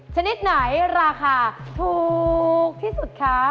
ชนิดไหนราคาถูกที่สุดคะ